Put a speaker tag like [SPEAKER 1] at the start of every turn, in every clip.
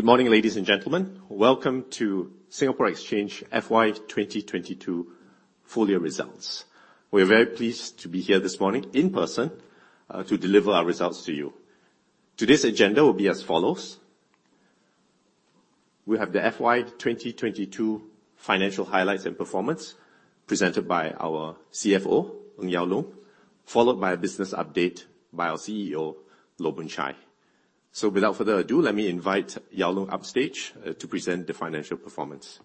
[SPEAKER 1] Good morning, ladies and gentlemen. Welcome to Singapore Exchange FY 2022 full year results. We're very pleased to be here this morning in person to deliver our results to you. Today's agenda will be as follows. We have the FY 2022 financial highlights and performance presented by our CFO, Ng Yao Loong, followed by a business update by our CEO, Loh Boon Chye. Without further ado, let me invite Yao Loong upstage to present the financial performance.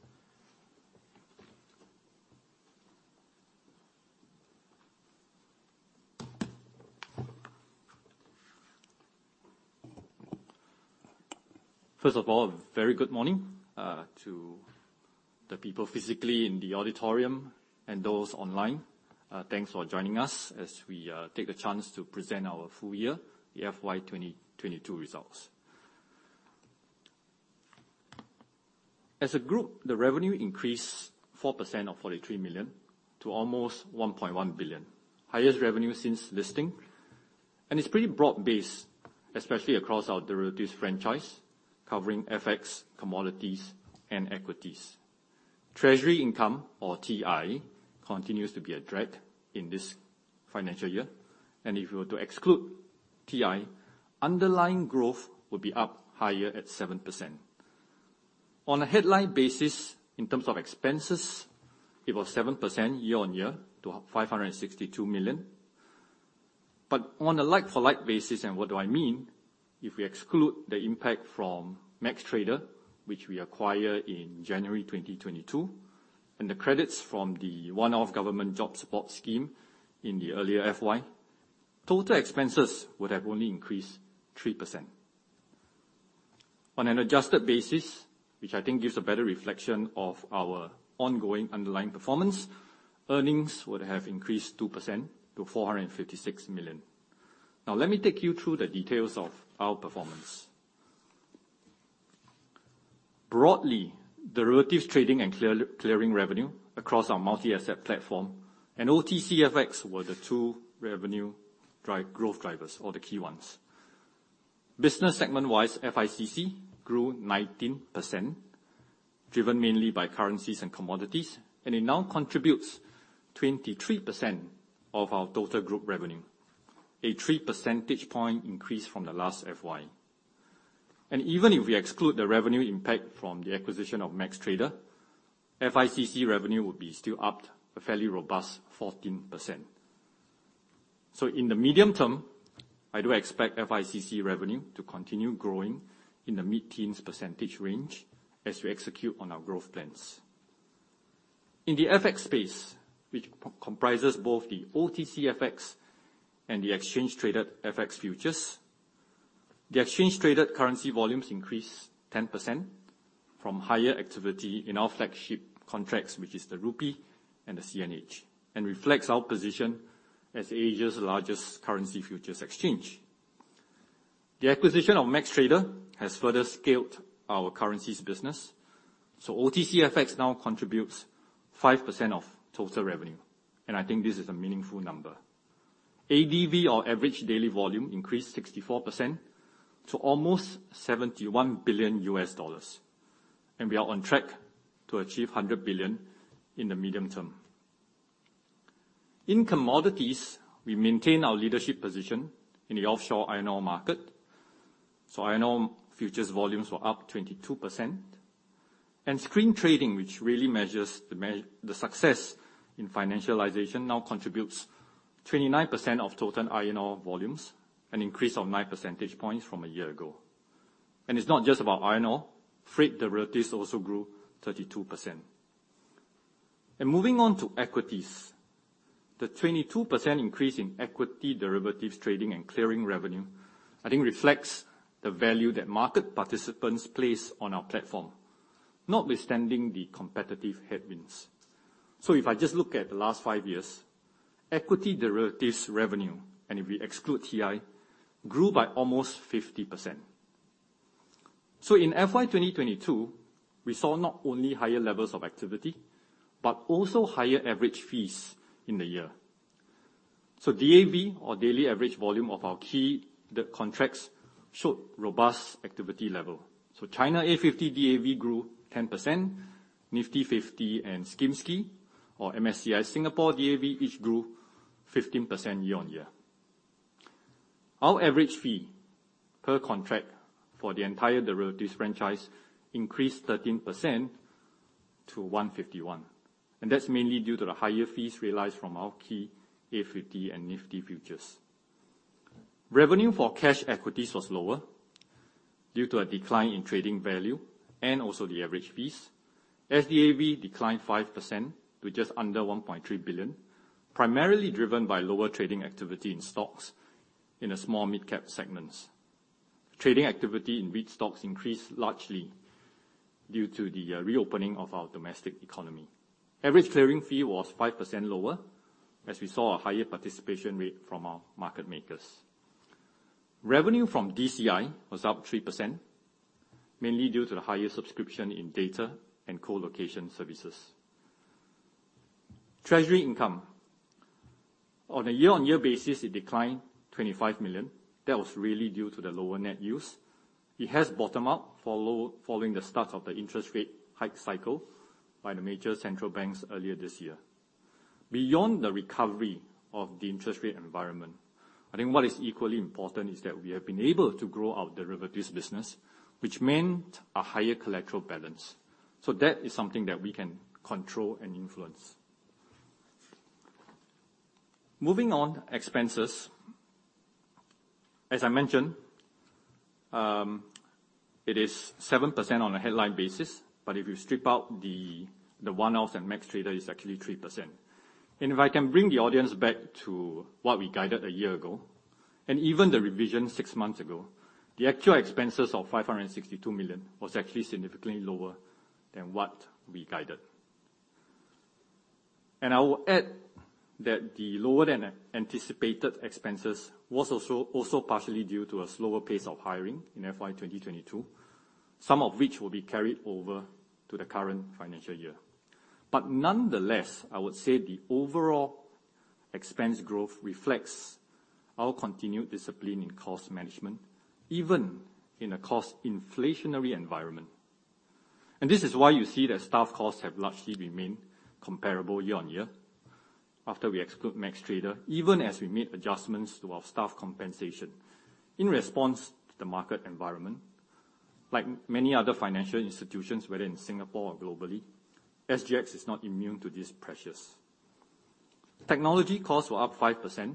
[SPEAKER 2] First of all, very good morning to the people physically in the auditorium and those online. Thanks for joining us as we take the chance to present our full year, the FY 2022 results. As a group, the revenue increased 4% or 43 million to almost 1.1 billion. Highest revenue since listing, and it's pretty broad-based, especially across our derivatives franchise, covering FX, commodities and equities. Treasury income or TI continues to be a drag in this financial year, and if we were to exclude TI, underlying growth will be up higher at 7%. On a headline basis, in terms of expenses, it was 7% year-on-year to 562 million. On a like-for-like basis, and what do I mean, if we exclude the impact from MaxxTrader, which we acquire in January 2022, and the credits from the one-off government Jobs Support Scheme in the earlier FY, total expenses would have only increased 3%. On an adjusted basis, which I think gives a better reflection of our ongoing underlying performance, earnings would have increased 2% to 456 million. Now let me take you through the details of our performance. Broadly, derivatives trading and clearing revenue across our multi-asset platform and OTC FX were the two revenue growth drivers or the key ones. Business segment-wise, FICC grew 19%, driven mainly by currencies and commodities, and it now contributes 23% of our total group revenue, a three percentage point increase from the last FY. Even if we exclude the revenue impact from the acquisition of MaxxTrader, FICC revenue would be still up a fairly robust 14%. In the medium term, I do expect FICC revenue to continue growing in the mid-teens % range as we execute on our growth plans. In the FX space, which comprises both the OTCFX and the exchange traded FX futures, the exchange traded currency volumes increased 10% from higher activity in our flagship contracts, which is the rupee and the CNH, and reflects our position as Asia's largest currency futures exchange. The acquisition of MaxxTrader has further scaled our currencies business. OTCFX now contributes 5% of total revenue, and I think this is a meaningful number. ADV or average daily volume increased 64% to almost $71 billion, and we are on track to achieve $100 billion in the medium term. In commodities, we maintain our leadership position in the offshore iron ore market. Iron ore futures volumes were up 22%. Screen trading, which really measures the success in financialization, now contributes 29% of total iron ore volumes, an increase of 9 percentage points from a year ago. It’s not just about iron ore, freight derivatives also grew 32%. Moving on to equities. The 22% increase in equity derivatives trading and clearing revenue, I think reflects the value that market participants place on our platform, notwithstanding the competitive headwinds. If I just look at the last 5 years, equity derivatives revenue, and if we exclude TI, grew by almost 50%. In FY 2022, we saw not only higher levels of activity, but also higher average fees in the year. DAV or daily average volume of our key contracts showed robust activity level. China A50 DAV grew 10%, Nifty 50 and MSCI Singapore DAV each grew 15% year-on-year. Our average fee per contract for the entire derivatives franchise increased 13% to 151, and that's mainly due to the higher fees realized from our key A50 and Nifty futures. Revenue for cash equities was lower due to a decline in trading value and also the average fees. SDAV declined 5% to just under 1.3 billion, primarily driven by lower trading activity in stocks in the small mid-cap segments. Trading activity in REIT stocks increased largely due to the reopening of our domestic economy. Average clearing fee was 5% lower as we saw a higher participation rate from our market makers. Revenue from DCI was up 3%, mainly due to the higher subscription in data and co-location services. Treasury income. On a year-on-year basis, it declined 25 million. That was really due to the lower net use. It has bottomed out following the start of the interest rate hike cycle by the major central banks earlier this year. Beyond the recovery of the interest rate environment, I think what is equally important is that we have been able to grow our derivatives business, which meant a higher collateral balance. So that is something that we can control and influence. Moving on, expenses. As I mentioned, it is 7% on a headline basis, but if you strip out the one-offs and MaxxTrader, it's actually 3%. If I can bring the audience back to what we guided a year ago, and even the revision six months ago, the actual expenses of 562 million was actually significantly lower than what we guided. I will add that the lower-than-anticipated expenses was also partially due to a slower pace of hiring in FY 2022, some of which will be carried over to the current financial year. Nonetheless, I would say the overall expense growth reflects our continued discipline in cost management, even in a cost inflationary environment. This is why you see that staff costs have largely remained comparable year-on-year after we exclude MaxxTrader, even as we made adjustments to our staff compensation in response to the market environment. Like many other financial institutions, whether in Singapore or globally, SGX is not immune to these pressures. Technology costs were up 5%,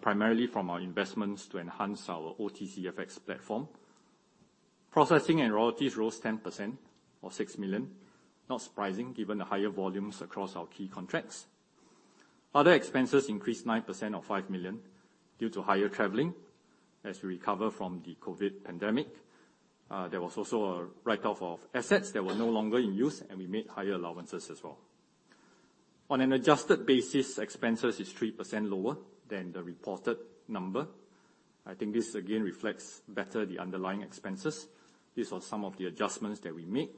[SPEAKER 2] primarily from our investments to enhance our OTC FX platform. Processing and royalties rose 10% or 6 million. Not surprising, given the higher volumes across our key contracts. Other expenses increased 9% or 5 million due to higher traveling as we recover from the COVID pandemic. There was also a write-off of assets that were no longer in use, and we made higher allowances as well. On an adjusted basis, expenses is 3% lower than the reported number. I think this again reflects better the underlying expenses. These are some of the adjustments that we made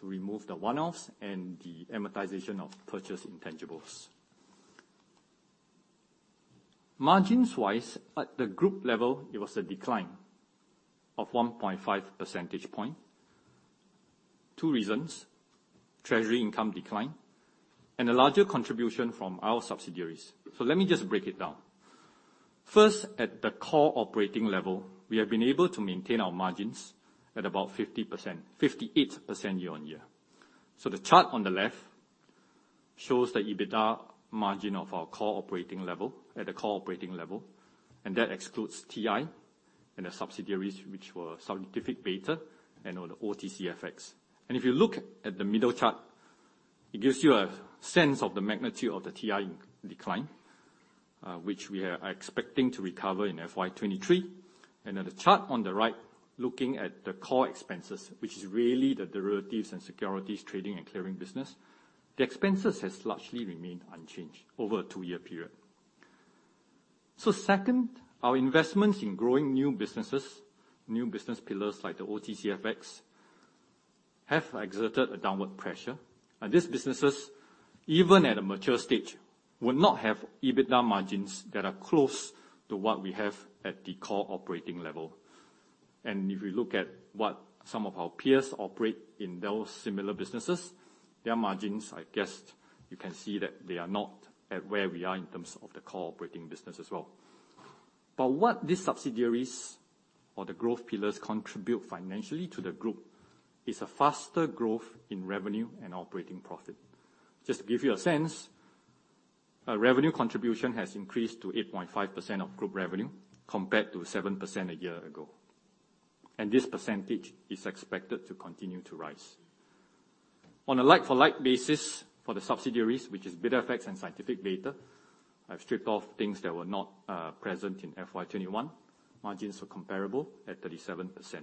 [SPEAKER 2] to remove the one-offs and the amortization of purchase intangibles. Margins-wise, at the group level, it was a decline of 1.5 percentage point. Two reasons, treasury income decline and a larger contribution from our subsidiaries. Let me just break it down. First, at the core operating level, we have been able to maintain our margins at about 50%-58% year-on-year. The chart on the left shows the EBITDA margin of our core operating level, at the core operating level, and that excludes TI and the subsidiaries which were Scientific Beta and OTCFX. If you look at the middle chart, it gives you a sense of the magnitude of the TI in decline, which we are expecting to recover in FY 2023. The chart on the right, looking at the core expenses, which is really the derivatives and securities trading and clearing business. The expenses has largely remained unchanged over a two-year period. Second, our investments in growing new businesses, new business pillars like the OTCFX, have exerted a downward pressure. These businesses, even at a mature stage, will not have EBITDA margins that are close to what we have at the core operating level. If you look at what some of our peers operate in those similar businesses, their margins, I guess you can see that they are not at where we are in terms of the core operating business as well. But what these subsidiaries or the growth pillars contribute financially to the group is a faster growth in revenue and operating profit. Just to give you a sense, our revenue contribution has increased to 8.5% of group revenue, compared to 7% a year ago. This percentage is expected to continue to rise. On a like-for-like basis for the subsidiaries, which is BidFX and Scientific Beta, I've stripped off things that were not present in FY 2021. Margins were comparable at 37%.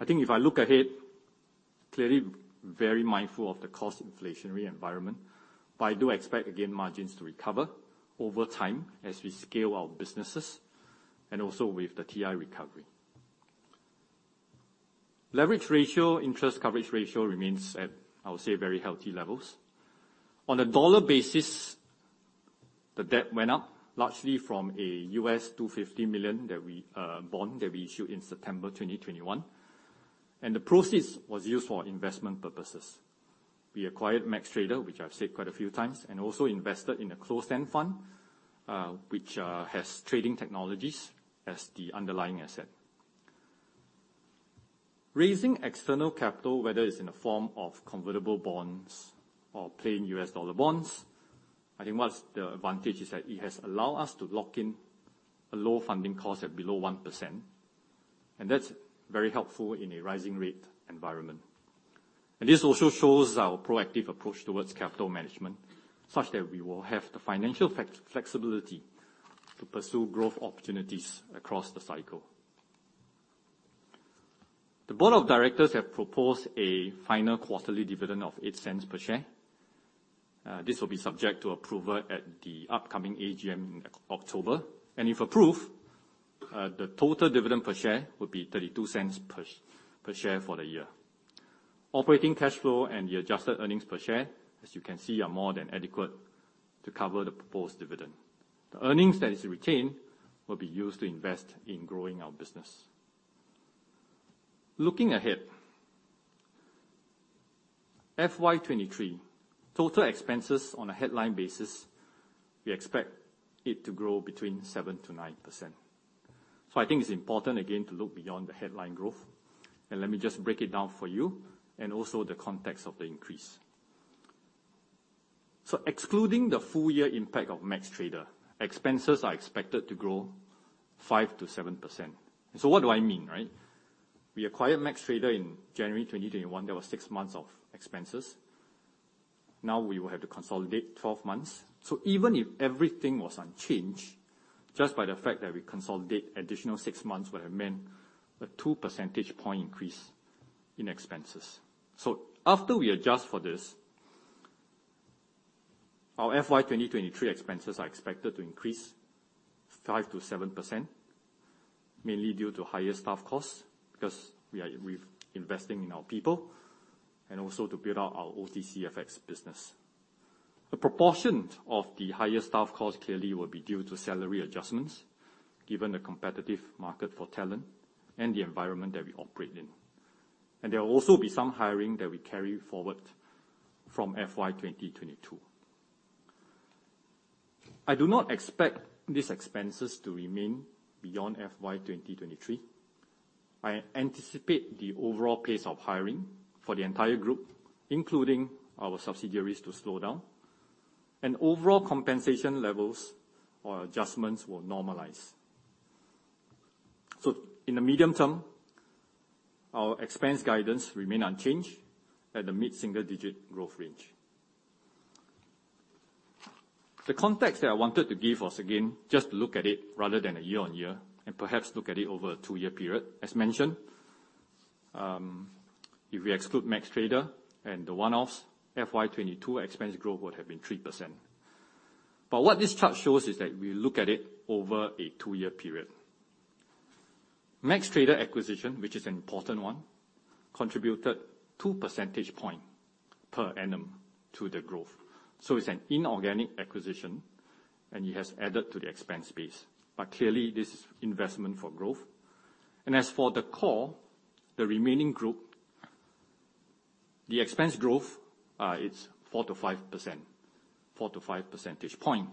[SPEAKER 2] I think if I look ahead, clearly very mindful of the cost inflationary environment, but I do expect again margins to recover over time as we scale our businesses and also with the TI recovery. Leverage ratio, interest coverage ratio remains at, I would say, very healthy levels. On a dollar basis, the debt went up largely from a $250 million bond that we issued in September 2021, and the proceeds was used for investment purposes. We acquired MaxxTrader, which I've said quite a few times, and also invested in a closed-end fund, which has Trading Technologies as the underlying asset. Raising external capital, whether it's in the form of convertible bonds or plain US dollar bonds, I think what's the advantage is that it has allow us to lock in a low funding cost at below 1%, and that's very helpful in a rising rate environment. This also shows our proactive approach towards capital management, such that we will have the financial flexibility to pursue growth opportunities across the cycle. The board of directors have proposed a final quarterly dividend of 0.08 per share. This will be subject to approval at the upcoming AGM in October. If approved, the total dividend per share will be 0.32 per share for the year. Operating cash flow and the adjusted earnings per share, as you can see, are more than adequate to cover the proposed dividend. The earnings that is retained will be used to invest in growing our business. Looking ahead, FY 2023, total expenses on a headline basis, we expect it to grow 7%-9%. I think it's important again to look beyond the headline growth, and let me just break it down for you, and also the context of the increase. Excluding the full year impact of MaxxTrader, expenses are expected to grow 5%-7%. What do I mean, right? We acquired MaxxTrader in January 2021. There was six months of expenses. Now we will have to consolidate 12 months. Even if everything was unchanged, just by the fact that we consolidate additional 6 months would have meant a 2 percentage point increase in expenses. After we adjust for this, our FY 2023 expenses are expected to increase 5%-7%, mainly due to higher staff costs because we're investing in our people and also to build out our OTC FX business. A proportion of the higher staff costs clearly will be due to salary adjustments, given the competitive market for talent and the environment that we operate in. There will also be some hiring that we carry forward from FY 2022. I do not expect these expenses to remain beyond FY 2023. I anticipate the overall pace of hiring for the entire group, including our subsidiaries, to slow down, and overall compensation levels or adjustments will normalize. In the medium term, our expense guidance remains unchanged at the mid-single-digit growth range. The context that I wanted to give was, again, just look at it rather than a year on year, and perhaps look at it over a two-year period. As mentioned, if we exclude MaxxTrader and the one-offs, FY 2022 expense growth would have been 3%. What this chart shows is that we look at it over a two-year period. MaxxTrader acquisition, which is an important one, contributed 2 percentage points per annum to the growth. It's an inorganic acquisition, and it has added to the expense base. Clearly, this is investment for growth. As for the core, the remaining group, the expense growth is 4%-5%, 4-5 percentage points.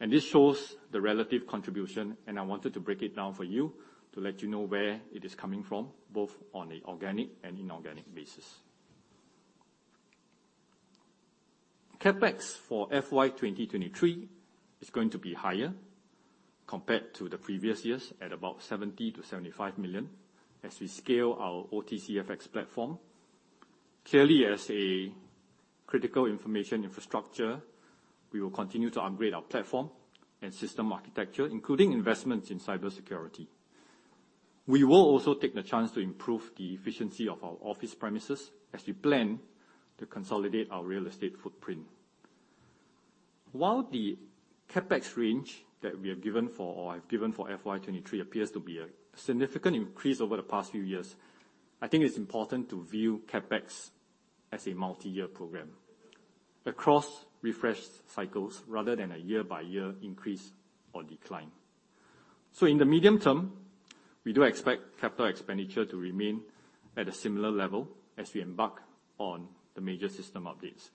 [SPEAKER 2] This shows the relative contribution, and I wanted to break it down for you to let you know where it is coming from, both on a organic and inorganic basis. CapEx for FY 2023 is going to be higher compared to the previous years, at about 70-75 million as we scale our OTCFX platform. Clearly, as a critical information infrastructure, we will continue to upgrade our platform and system architecture, including investments in cybersecurity. We will also take the chance to improve the efficiency of our office premises as we plan to consolidate our real estate footprint. While the CapEx range that we have given for FY 2023 appears to be a significant increase over the past few years, I think it's important to view CapEx as a multiyear program across refresh cycles rather than a year-by-year increase or decline. In the medium term, we do expect capital expenditure to remain at a similar level as we embark on the major system updates.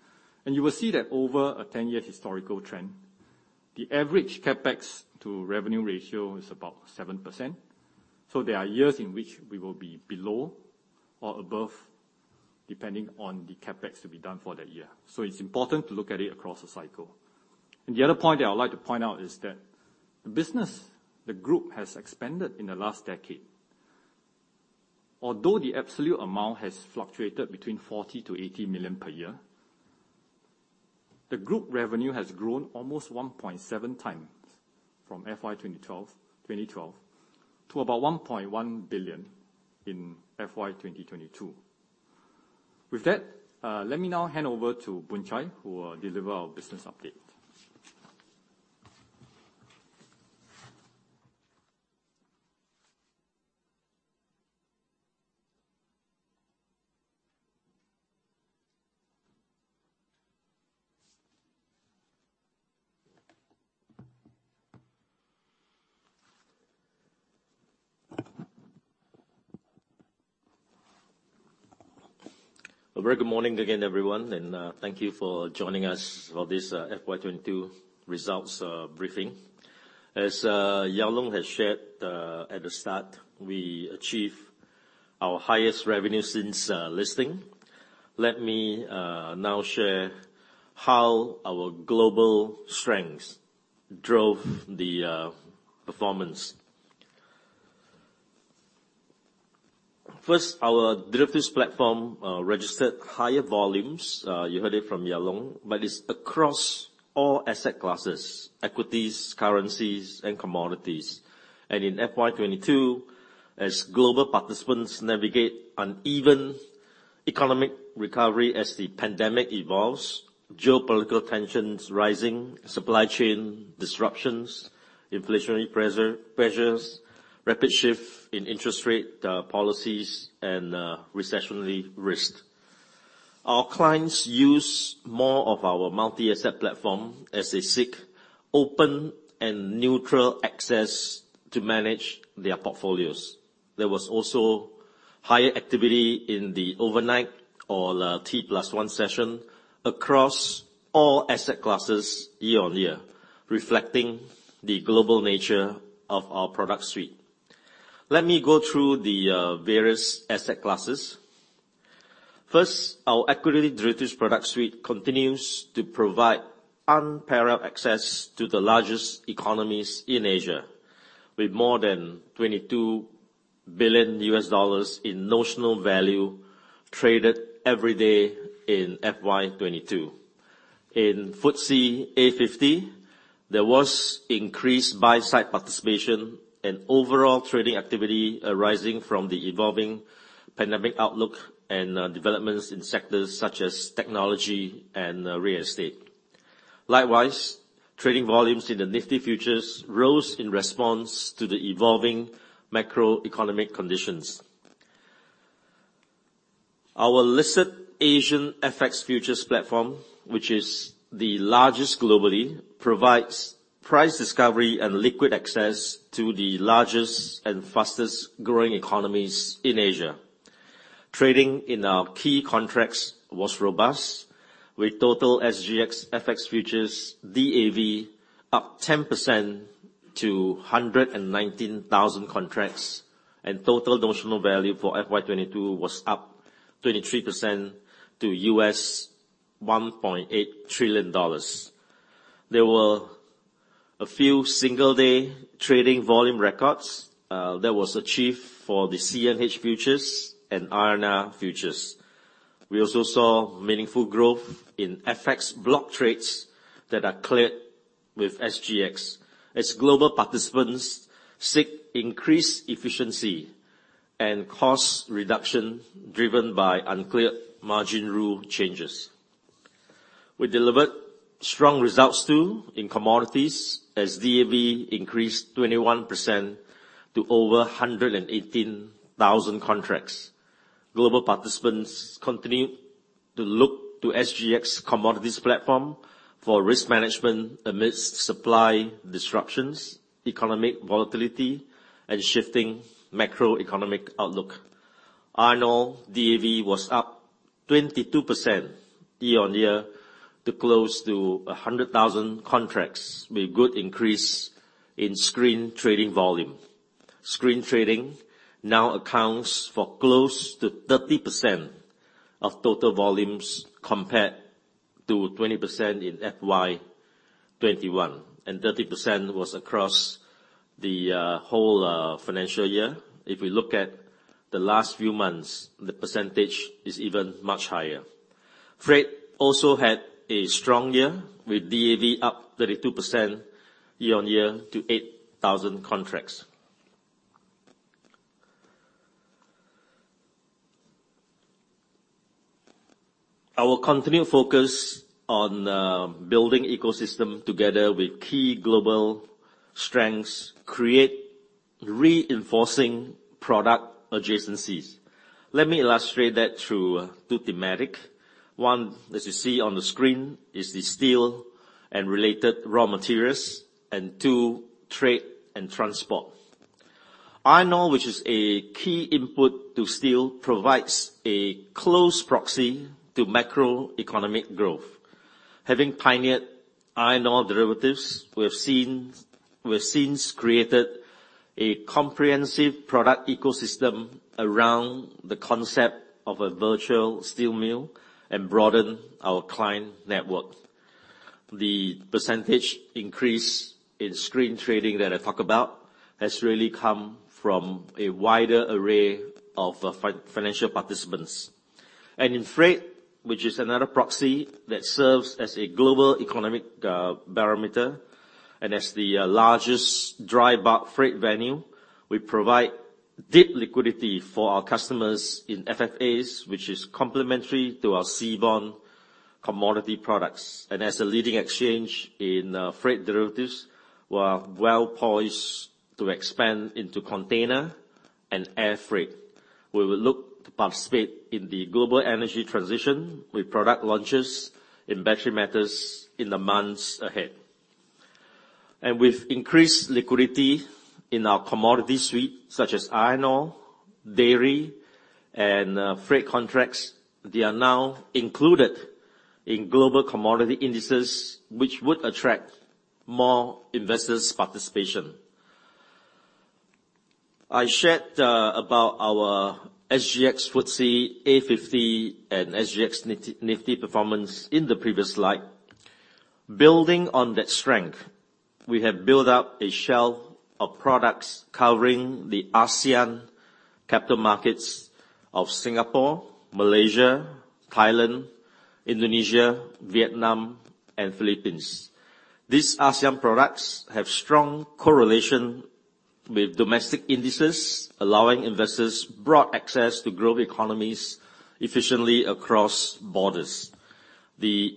[SPEAKER 2] You will see that over a 10-year historical trend, the average CapEx to revenue ratio is about 7%. There are years in which we will be below or above, depending on the CapEx to be done for that year. It's important to look at it across a cycle. The other point that I would like to point out is that the business the group has expanded in the last decade. Although the absolute amount has fluctuated between 40 million-80 million per year, the group revenue has grown almost 1.7 times from FY 2012 to about 1.1 billion in FY 2022. With that, let me now hand over to Loh Boon Chye, who will deliver our business update.
[SPEAKER 3] A very good morning again, everyone, and thank you for joining us for this FY 2022 results briefing. As Ng Yao Loong has shared at the start, we achieved our highest revenue since listing. Let me now share how our global strengths drove the performance. First, our derivatives platform registered higher volumes, you heard it from Ng Yao Loong, but it's across all asset classes, equities, currencies, and commodities. In FY 2022, as global participants navigate uneven economic recovery as the pandemic evolves, geopolitical tensions rising, supply chain disruptions, inflationary pressures, rapid shift in interest rate policies, and recessionary risk. Our clients use more of our multi-asset platform as they seek open and neutral access to manage their portfolios. There was also higher activity in the overnight or the T+1 session across all asset classes year-over-year, reflecting the global nature of our product suite. Let me go through the various asset classes. First, our equity derivatives product suite continues to provide unparalleled access to the largest economies in Asia, with more than $22 billion in notional value traded every day in FY 2022. In FTSE A50, there was increased buy-side participation and overall trading activity arising from the evolving pandemic outlook and developments in sectors such as technology and real estate. Likewise, trading volumes in the Nifty futures rose in response to the evolving macroeconomic conditions. Our listed Asian FX futures platform, which is the largest globally, provides price discovery and liquid access to the largest and fastest-growing economies in Asia. Trading in our key contracts was robust, with total SGX FX futures DAV up 10% to 119,000 contracts, and total notional value for FY 2022 was up 23% to $1.8 trillion. There were a few single day trading volume records that was achieved for the CNH futures and INR futures. We also saw meaningful growth in FX block trades that are cleared with SGX as global participants seek increased efficiency and cost reduction driven by uncleared margin rule changes. We delivered strong results, too, in commodities as DAV increased 21% to over 118,000 contracts. Global participants continue to look to SGX commodities platform for risk management amidst supply disruptions, economic volatility, and shifting macroeconomic outlook. Iron ore DAV was up 22% year-on-year to close to 100,000 contracts with good increase in screen trading volume. Screen trading now accounts for close to 30% of total volumes, compared to 20% in FY 2021. 30% was across the whole financial year. If we look at the last few months, the percentage is even much higher. Freight also had a strong year, with DAV up 32% year-on-year to 8,000 contracts. Our continued focus on building ecosystem together with key global strengths create reinforcing product adjacencies. Let me illustrate that through two themes. One, as you see on the screen, is the steel and related raw materials, and two, trade and transport. Iron ore, which is a key input to steel, provides a close proxy to macroeconomic growth. Having pioneered iron ore derivatives, we have since created a comprehensive product ecosystem around the concept of a virtual steel mill and broadened our client network. The percentage increase in screen trading that I talk about has really come from a wider array of financial participants. In freight, which is another proxy that serves as a global economic barometer, and as the largest dry bulk freight venue, we provide deep liquidity for our customers in FFAs, which is complementary to our seaborne commodity products. As a leading exchange in freight derivatives, we are well-poised to expand into container and air freight. We will look to participate in the global energy transition with product launches in battery metals in the months ahead. With increased liquidity in our commodity suite, such as iron ore, dairy, and freight contracts, they are now included in global commodity indices, which would attract more investors' participation. I shared about our SGX FTSE A50 and SGX Nifty performance in the previous slide. Building on that strength, we have built up a shelf of products covering the ASEAN capital markets of Singapore, Malaysia, Thailand, Indonesia, Vietnam, and Philippines. These ASEAN products have strong correlation with domestic indices, allowing investors broad access to growth economies efficiently across borders. The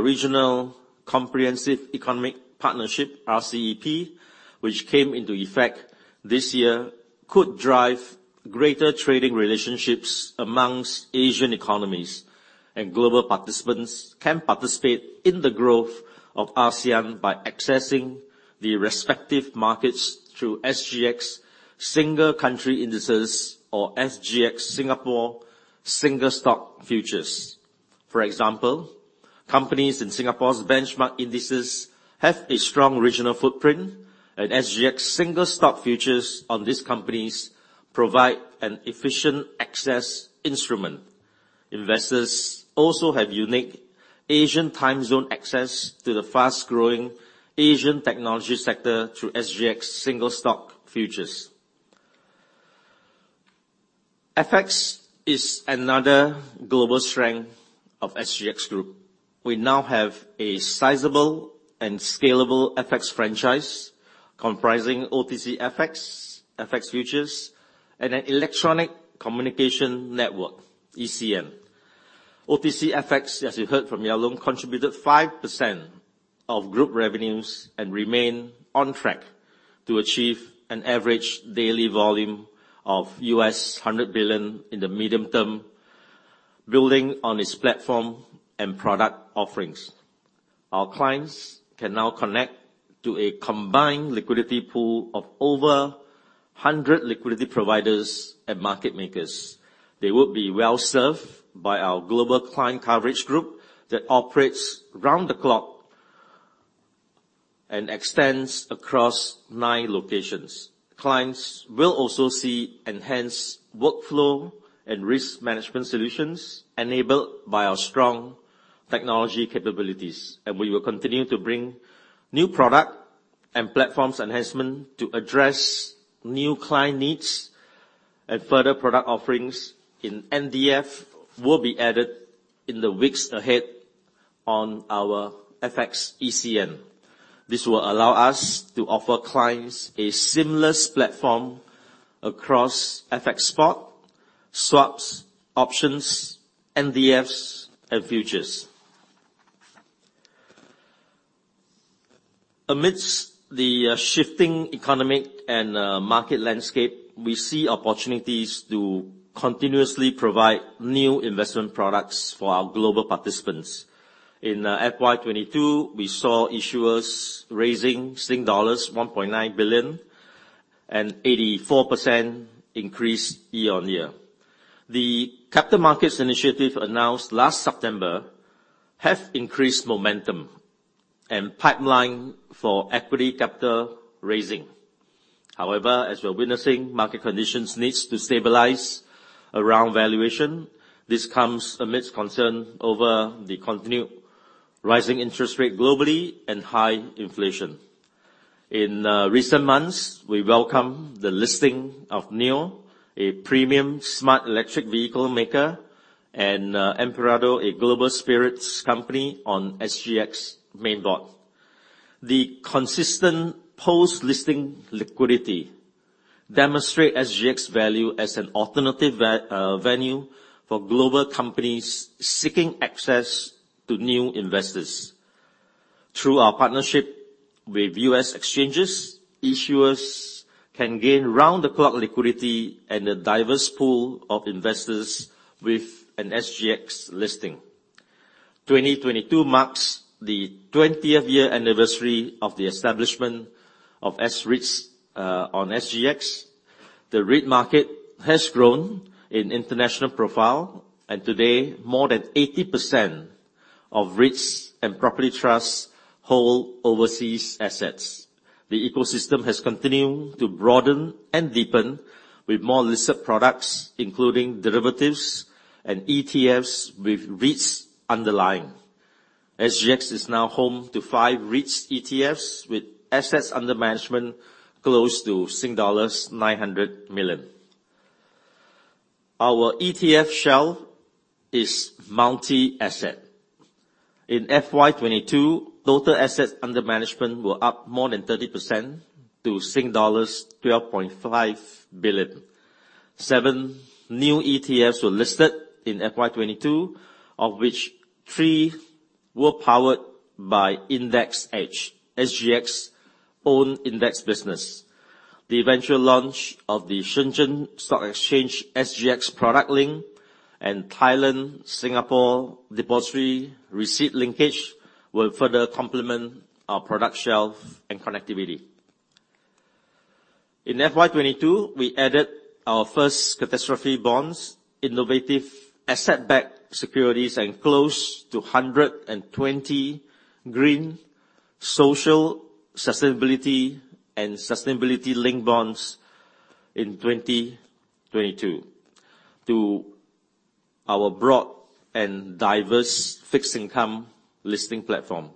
[SPEAKER 3] Regional Comprehensive Economic Partnership, RCEP, which came into effect this year, could drive greater trading relationships amongst Asian economies. Global participants can participate in the growth of ASEAN by accessing the respective markets through SGX single country indices or SGX Singapore single stock futures. For example, companies in Singapore's benchmark indices have a strong regional footprint, and SGX single stock futures on these companies provide an efficient access instrument. Investors also have unique Asian time zone access to the fast-growing Asian technology sector through SGX single stock futures. FX is another global strength of SGX Group. We now have a sizable and scalable FX franchise comprising OTC FX futures, and an electronic communication network, ECN. OTC FX, as you heard from Ng Yao Loong, contributed 5% of group revenues and remain on track to achieve an average daily volume of $100 billion in the medium term, building on its platform and product offerings. Our clients can now connect to a combined liquidity pool of over 100 liquidity providers and market makers. They will be well-served by our global client coverage group that operates around the clock and extends across nine locations. Clients will also see enhanced workflow and risk management solutions enabled by our strong technology capabilities, and we will continue to bring new product and platforms enhancement to address new client needs. Further product offerings in NDF will be added in the weeks ahead on our FX ECN. This will allow us to offer clients a seamless platform across FX Spot, swaps, options, NDFs, and futures. Amidst the shifting economic and market landscape, we see opportunities to continuously provide new investment products for our global participants. In FY 2022, we saw issuers raising dollars 1.9 billion, an 84% increase year-on-year. The capital markets initiative announced last September have increased momentum and pipeline for equity capital raising. However, as we are witnessing, market conditions needs to stabilize around valuation. This comes amidst concern over the continued rising interest rate globally and high inflation. In recent months, we welcome the listing of NIO Inc., a premium smart electric vehicle maker, and Emperador Inc., a global spirits company on SGX main board. The consistent post-listing liquidity demonstrate SGX value as an alternative venue for global companies seeking access to new investors. Through our partnership with U.S. Exchanges, issuers can gain round-the-clock liquidity and a diverse pool of investors with an SGX listing. 2022 marks the twentieth-year anniversary of the establishment of S-REITs on SGX. The REIT market has grown in international profile, and to date, more than 80% of REITs and property trusts hold overseas assets. The ecosystem has continued to broaden and deepen with more listed products, including derivatives and ETFs with REITs underlying. SGX is now home to five REIT ETFs with assets under management close to SGD 900 million. Our ETF shelf is multi-asset. In FY 2022, total assets under management were up more than 30% to Sing dollars 12.5 billion. 7 new ETFs were listed in FY 2022, of which 3 were powered by Index Edge, SGX's own index business. The eventual launch of the Shenzhen Stock Exchange-SGX product link and Thailand Singapore Depository Receipt linkage will further complement our product shelf and connectivity. In FY 2022, we added our first catastrophe bonds, innovative asset-backed securities, and close to 120 green social sustainability and sustainability link bonds in 2022 to our broad and diverse fixed income listing platform.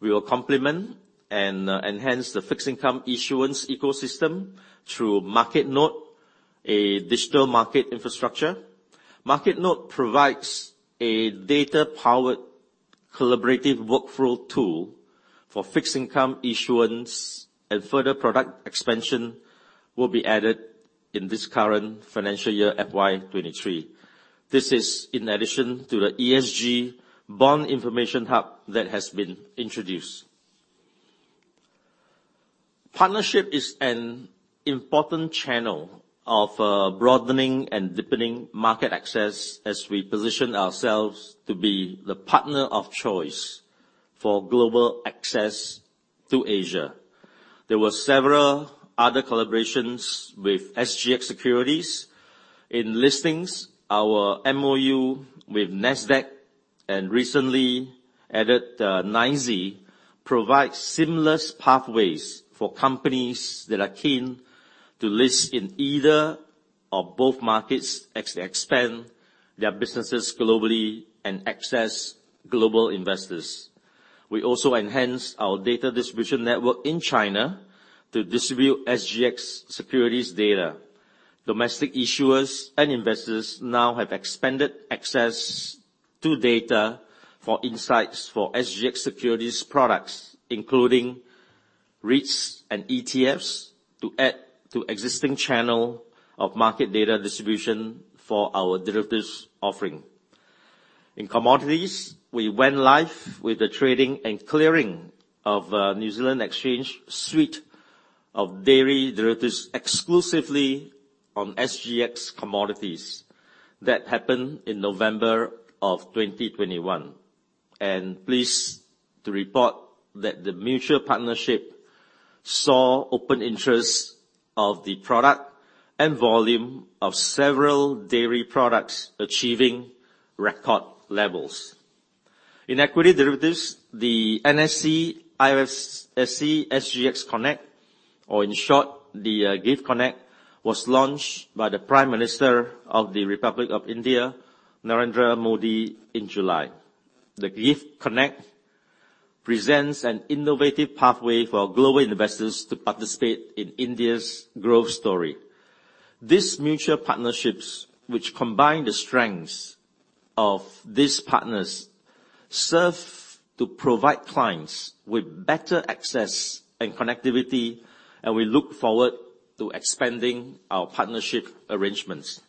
[SPEAKER 3] We will complement and enhance the fixed income issuance ecosystem through MarketNode, a digital market infrastructure. MarketNode provides a data-powered collaborative workflow tool for fixed income issuance, and further product expansion will be added in this current financial year, FY 2023. This is in addition to the ESG bond information hub that has been introduced. Partnership is an important channel of broadening and deepening market access as we position ourselves to be the partner of choice for global access to Asia. There were several other collaborations with SGX Securities in listings. Our MOU with Nasdaq, and recently added, NSE, provides seamless pathways for companies that are keen to list in either or both markets as they expand their businesses globally and access global investors. We also enhanced our data distribution network in China to distribute SGX Securities data. Domestic issuers and investors now have expanded access to data for insights for SGX Securities products, including REITs and ETFs, to add to existing channel of market data distribution for our derivatives offering. In commodities, we went live with the trading and clearing of New Zealand Exchange suite of dairy derivatives exclusively on SGX commodities. That happened in November 2021. Pleased to report that the mutual partnership saw open interest of the product and volume of several dairy products achieving record levels. In equity derivatives, the NSE IFSC-SGX Connect, or in short, the GIFT Connect, was launched by the Prime Minister of the Republic of India, Narendra Modi, in July. The GIFT Connect presents an innovative pathway for global investors to participate in India's growth story. These mutual partnerships, which combine the strengths of these partners, serve to provide clients with better access and connectivity, and we look forward to expanding our partnership arrangements.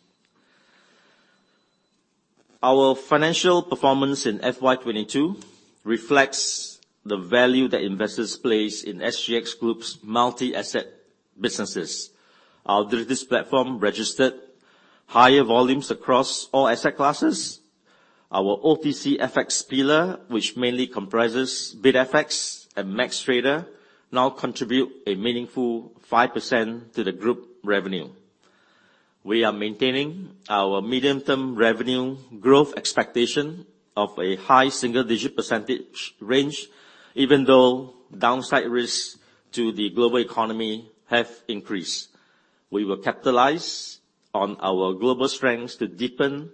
[SPEAKER 3] Our financial performance in FY22 reflects the value that investors place in SGX Group's multi-asset businesses. Our derivatives platform registered higher volumes across all asset classes. Our OTC FX pillar, which mainly comprises BidFX and MaxxTrader, now contribute a meaningful 5% to the group revenue. We are maintaining our medium-term revenue growth expectation of a high single-digit % range, even though downside risks to the global economy have increased. We will capitalize on our global strengths to deepen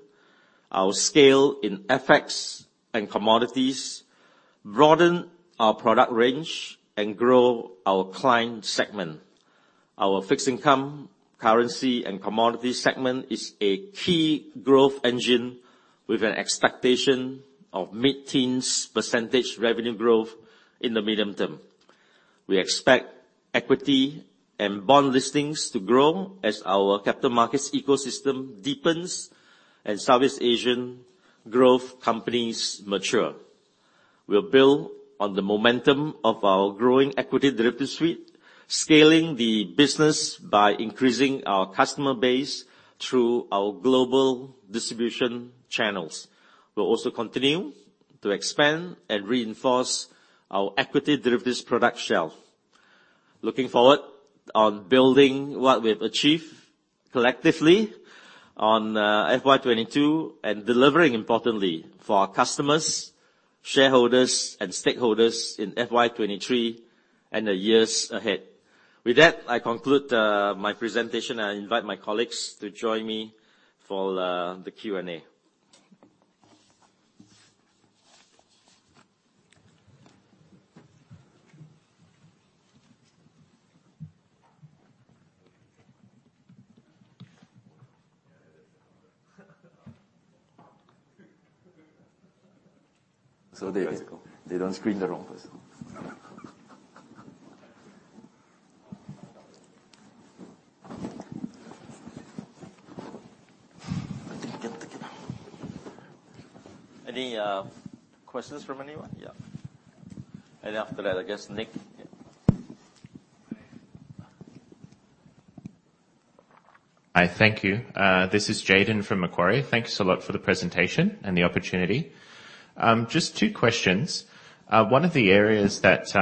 [SPEAKER 3] our scale in FX and commodities, broaden our product range, and grow our client segment. Our fixed income, currency, and commodity segment is a key growth engine with an expectation of mid-teens % revenue growth in the medium term. We expect equity and bond listings to grow as our capital markets ecosystem deepens and Southeast Asian growth companies mature. We'll build on the momentum of our growing equity derivatives suite, scaling the business by increasing our customer base through our global distribution channels. We'll also continue to expand and reinforce our equity derivatives product shelf. Looking forward on building what we have achieved collectively on FY 2022, and delivering importantly for our customers, shareholders, and stakeholders in FY 2023 and the years ahead. With that, I conclude my presentation, and invite my colleagues to join me for the Q&A. They don't screen the wrong person. Any questions from anyone? Yeah. After that, I guess Nick. Yeah.
[SPEAKER 4] Hi. Thank you. This is Jayden from Macquarie. Thanks a lot for the presentation and the opportunity. Just two questions. One of the areas that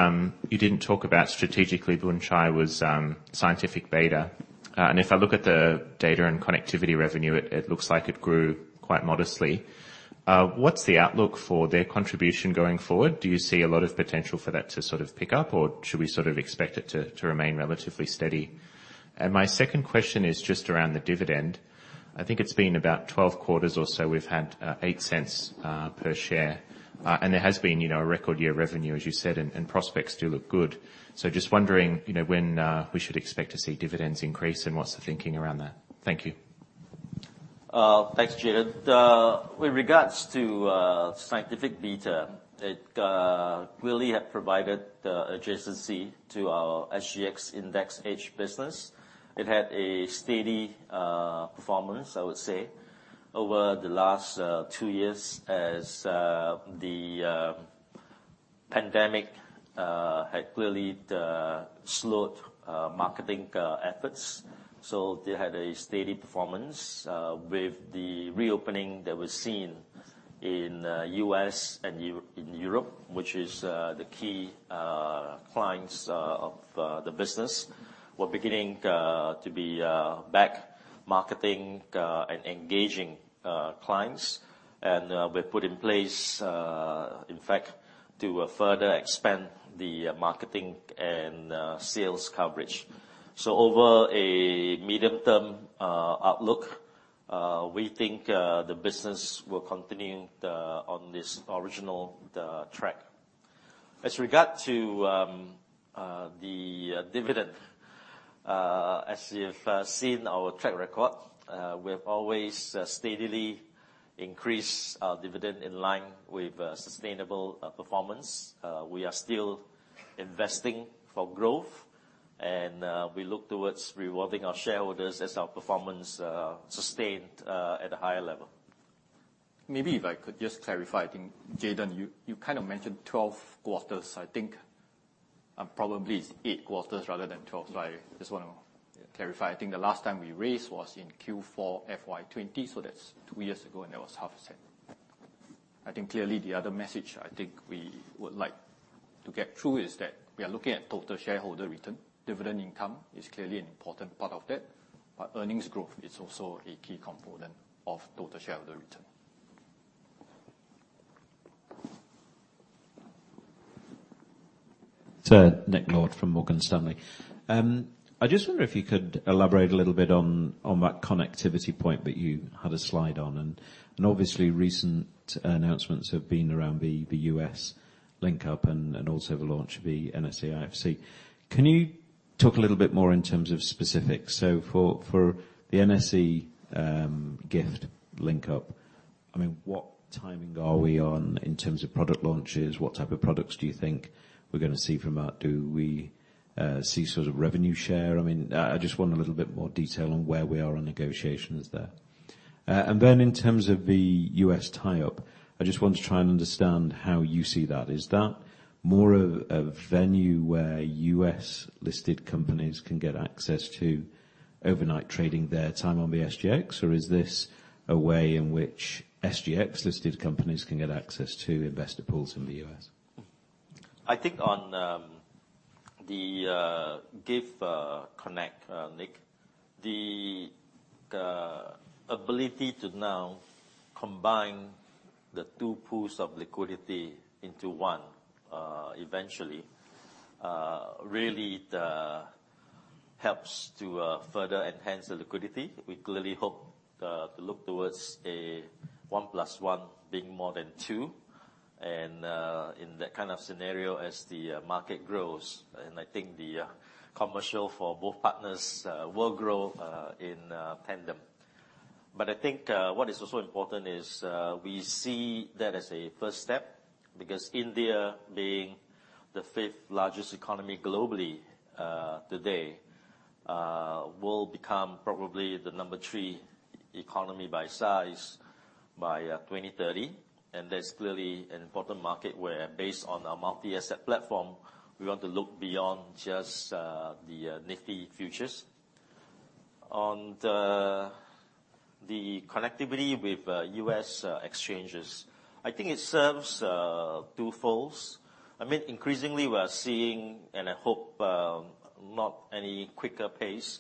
[SPEAKER 4] you didn't talk about strategically, Boon Chye, was Scientific Beta. If I look at the data and connectivity revenue, it looks like it grew quite modestly. What's the outlook for their contribution going forward? Do you see a lot of potential for that to sort of pick up, or should we sort of expect it to remain relatively steady? My second question is just around the dividend. I think it's been about 12 quarters or so we've had 0.08 per share. There has been, you know, a record year revenue, as you said, and prospects do look good. Just wondering, you know, when we should expect to see dividends increase, and what's the thinking around that? Thank you.
[SPEAKER 3] Thanks, Jayden. With regards to Scientific Beta, it really had provided the adjacency to our SGX Index Edge business. It had a steady performance, I would say, over the last two years as the pandemic had clearly slowed marketing efforts. They had a steady performance with the reopening that was seen in U.S. and in Europe, which is the key clients of the business. We're beginning to get back to marketing and engaging clients. We've put in place, in fact, to further expand the marketing and sales coverage. Over a medium-term outlook, we think the business will continue on this original track. As regards to the dividend, as you've seen our track record, we've always steadily increased our dividend in line with sustainable performance. We are still investing for growth and we look towards rewarding our shareholders as our performance sustained at a higher level.
[SPEAKER 2] Maybe if I could just clarify. I think, Jayden, you kind of mentioned 12 quarters. I think, probably it's 8 quarters rather than 12. I just wanna clarify. I think the last time we raised was in Q4 FY 2020, so that's 2 years ago, and that was half a cent. I think clearly the other message I think we would like to get through is that we are looking at total shareholder return. Dividend income is clearly an important part of that, but earnings growth is also a key component of total shareholder return.
[SPEAKER 5] Sir, Nick Lord from Morgan Stanley. I just wonder if you could elaborate a little bit on that connectivity point that you had a slide on, and obviously recent announcements have been around the U.S. link-up and also the launch of the NSE IFSC. Can you talk a little bit more in terms of specifics? So for the NSE, GIFT link-up, I mean, what timing are we on in terms of product launches? What type of products do you think we're gonna see from that? Do we see sort of revenue share? I mean, I just want a little bit more detail on where we are on negotiations there. And then in terms of the U.S. tie-up, I just want to try and understand how you see that. Is that more of a venue where U.S.-listed companies can get access to overnight trading their time on the SGX, or is this a way in which SGX-listed companies can get access to investor pools in the US?
[SPEAKER 3] I think on the GIFT Connect, Nick, the ability to now combine the two pools of liquidity into one eventually really helps to further enhance the liquidity. We clearly hope to look towards a one plus one being more than two and in that kind of scenario as the market grows. I think the commercial for both partners will grow in tandem. I think what is also important is we see that as a first step, because India, being the fifth largest economy globally today, will become probably the number three economy by size by 2030. That's clearly an important market where, based on our multi-asset platform, we want to look beyond just the Nifty futures. On the connectivity with U.S. exchanges, I think it serves two folds. I mean, increasingly we're seeing, and I hope not any quicker pace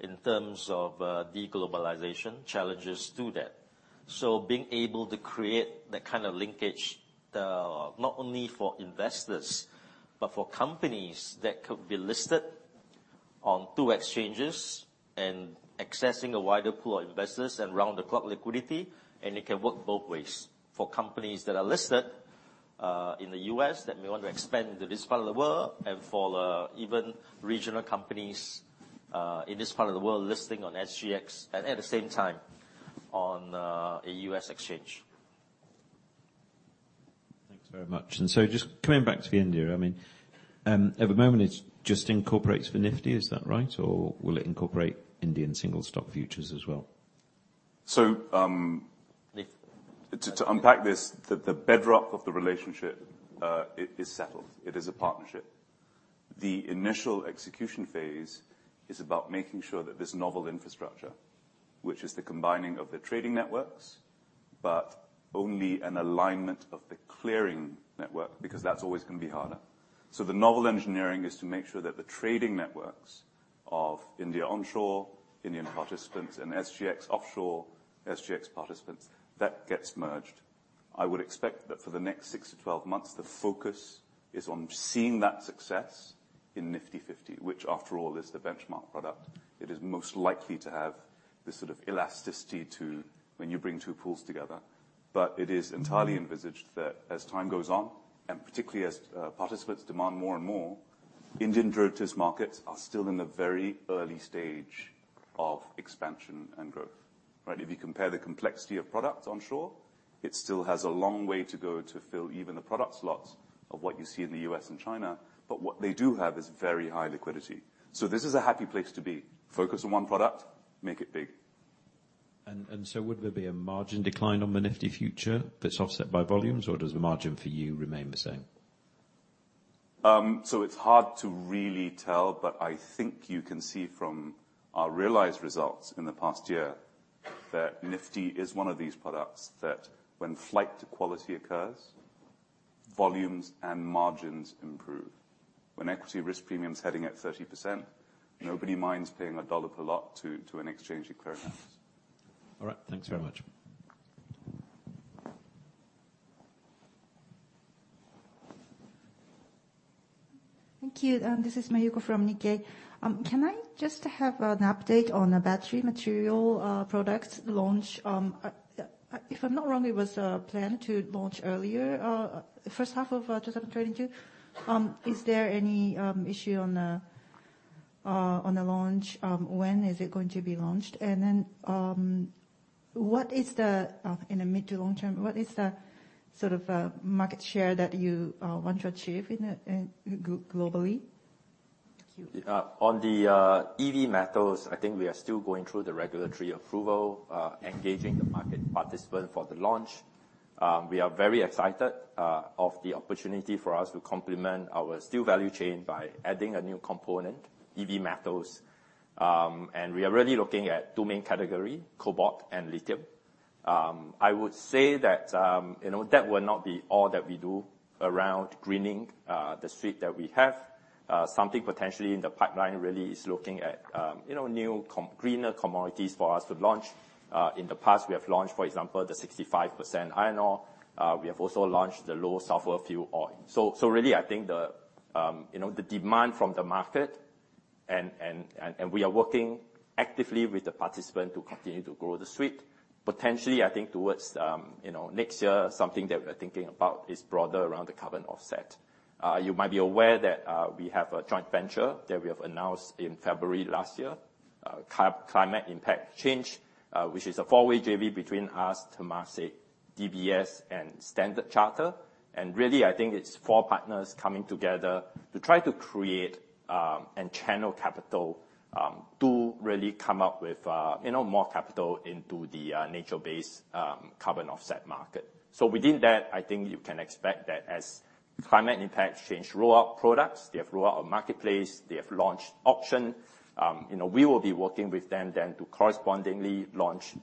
[SPEAKER 3] in terms of de-globalization challenges to that. Being able to create that kind of linkage not only for investors but for companies that could be listed on two exchanges and accessing a wider pool of investors and round-the-clock liquidity, and it can work both ways for companies that are listed in the U.S. that may want to expand into this part of the world and for even regional companies in this part of the world, listing on SGX at the same time on a U.S. exchange.
[SPEAKER 5] Thanks very much. Just coming back to India, I mean, at the moment, it just incorporates the Nifty. Is that right? Or will it incorporate Indian Single Stock Futures as well?
[SPEAKER 6] So, um-
[SPEAKER 3] Nifty
[SPEAKER 6] To unpack this, the bedrock of the relationship, is settled. It is a partnership. The initial execution phase is about making sure that this novel infrastructure, which is the combining of the trading networks, but only an alignment of the clearing network, because that's always gonna be harder. The novel engineering is to make sure that the trading networks of India onshore, Indian participants, and SGX offshore, SGX participants, that gets merged. I would expect that for the next 6 to 12 months, the focus is on seeing that success in Nifty 50, which, after all, is the benchmark product. It is most likely to have this sort of elasticity to when you bring two pools together. It is entirely envisaged that as time goes on, and particularly as, participants demand more and more Indian derivatives markets are still in the very early stage of expansion and growth, right? If you compare the complexity of products onshore, it still has a long way to go to fill even the product slots of what you see in the U.S. and China. What they do have is very high liquidity. This is a happy place to be. Focus on one product, make it big.
[SPEAKER 5] Would there be a margin decline on the Nifty future that's offset by volumes, or does the margin for you remain the same?
[SPEAKER 6] It's hard to really tell, but I think you can see from our realized results in the past year that Nifty is one of these products that when flight to quality occurs, volumes and margins improve. When equity risk premium's heading at 30%, nobody minds paying $1 per lot to an exchange or clearinghouse.
[SPEAKER 5] All right. Thanks very much.
[SPEAKER 7] Thank you. This is Mayuko from Nikkei. Can I just have an update on the battery material product launch? If I'm not wrong, it was planned to launch earlier, first half of 2022. Is there any issue on the launch? When is it going to be launched? In the mid- to long-term, what is the sort of market share that you want to achieve globally? Thank you.
[SPEAKER 2] On the EV metals, I think we are still going through the regulatory approval, engaging the market participant for the launch. We are very excited of the opportunity for us to complement our steel value chain by adding a new component, EV metals. We are really looking at two main category, cobalt and lithium. I would say that, you know, that will not be all that we do around greening the suite that we have. Something potentially in the pipeline really is looking at, you know, new greener commodities for us to launch. In the past we have launched, for example, the 65% iron ore. We have also launched the Low Sulfur Fuel Oil. Really, I think, you know, the demand from the market and we are working actively with the participant to continue to grow the suite. Potentially, I think toward, you know, next year, something that we're thinking about is broader around the carbon offset. You might be aware that we have a joint venture that we have announced in February last year, Climate Impact X, which is a four-way JV between us, Temasek, DBS and Standard Chartered. Really, I think it's four partners coming together to try to create and channel capital to really come up with, you know, more capital into the nature-based carbon offset market. Within that, I think you can expect that as Climate Impact X rolls out products, they have rolled out a marketplace, they have launched auction, you know, we will be working with them then to correspondingly launch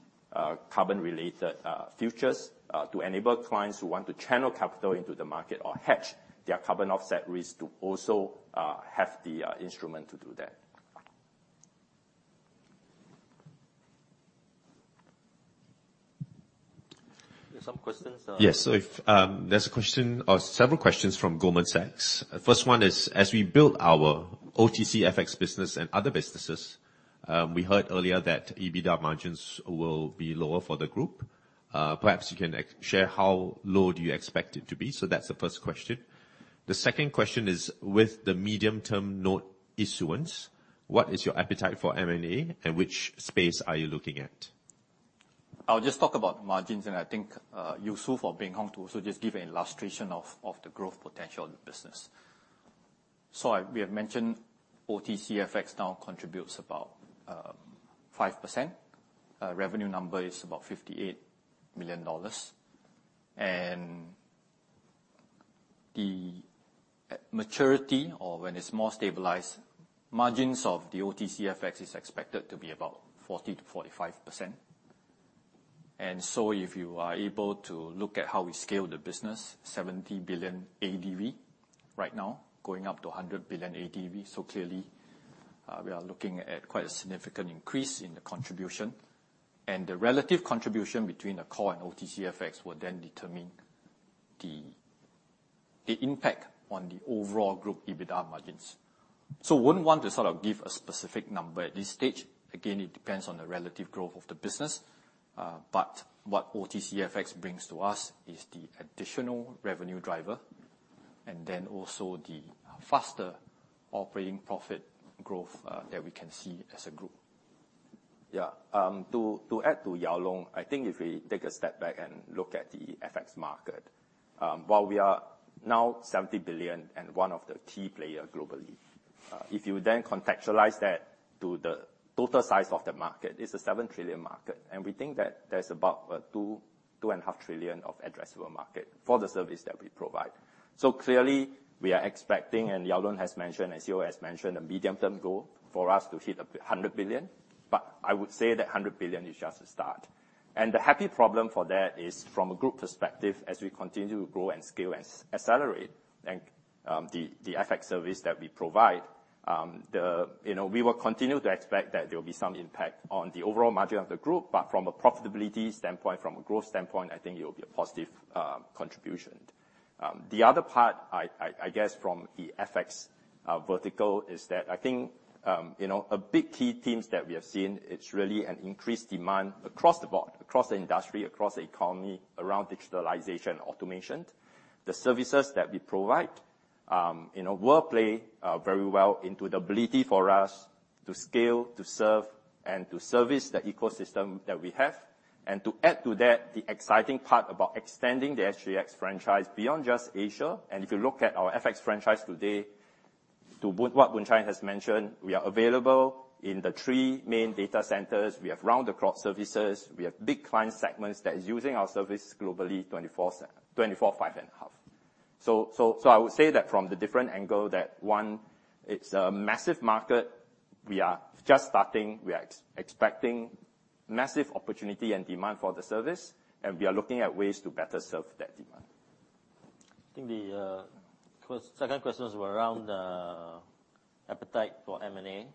[SPEAKER 2] carbon related futures to enable clients who want to channel capital into the market or hedge their carbon offset risk to also have the instrument to do that.
[SPEAKER 8] There's some questions. Yes. If there's a question or several questions from Goldman Sachs. First one is, as we build our OTCFX business and other businesses, we heard earlier that EBITDA margins will be lower for the group. Perhaps you can elaborate how low do you expect it to be. That's the first question. The second question is, with the medium-term note issuance, what is your appetite for M&A, and which space are you looking at?
[SPEAKER 2] I'll just talk about margins, and I think useful for Beng Hong to also just give an illustration of the growth potential of the business. We have mentioned OTC FX now contributes about 5%. Revenue number is about $58 million. The maturity or when it's more stabilized, margins of the OTC FX is expected to be about 40%-45%. If you are able to look at how we scale the business, 70 billion ADV right now, going up to 100 billion ADV. Clearly, we are looking at quite a significant increase in the contribution. The relative contribution between the core and OTC FX will then determine the impact on the overall group EBITDA margins. Wouldn't want to sort of give a specific number at this stage. Again, it depends on the relative growth of the business. What OTCFX brings to us is the additional revenue driver, and then also the faster operating profit growth that we can see as a group.
[SPEAKER 6] Yeah. To add to Yao Loong, I think if we take a step back and look at the FX market, while we are now $70 billion and one of the key player globally, if you then contextualize that to the total size of the market, it's a $7 trillion market. We think that there's about $2-$2.5 trillion of addressable market for the service that we provide. Clearly we are expecting, and Yao Loong has mentioned, as CEO has mentioned, a medium-term goal for us to hit $100 billion. I would say that $100 billion is just a start. The happy problem for that is from a group perspective, as we continue to grow and scale and accelerate, the FX service that we provide, you know, we will continue to expect that there will be some impact on the overall margin of the group, but from a profitability standpoint, from a growth standpoint, I think it will be a positive contribution. The other part I guess from the FX vertical is that I think, you know, a big key themes that we have seen, it's really an increased demand across the board, across the industry, across the economy, around digitalization, automation. The services that we provide.
[SPEAKER 2] You know, will play very well into the ability for us to scale, to serve, and to service the ecosystem that we have. To add to that, the exciting part about extending the SGX franchise beyond just Asia. If you look at our FX franchise today, to what Loh Boon Chye has mentioned, we are available in the three main data centers. We have round-the-clock services. We have big client segments that is using our service globally 24, 5 and half. I would say that from the different angle, that one, it's a massive market. We are just starting. We are expecting massive opportunity and demand for the service, and we are looking at ways to better serve that demand.
[SPEAKER 3] I think the second questions were around appetite for M&A,